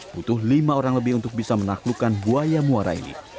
butuh lima orang lebih untuk bisa menaklukkan buaya muara ini